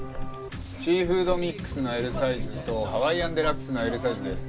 シーフードミックスのＬサイズとハワイアンデラックスのＬサイズです。